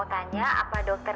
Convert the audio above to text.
tuhan gak pernah tidur